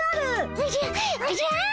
おじゃっおじゃ！